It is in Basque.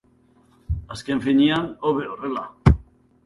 Azken finean, hobe horrela!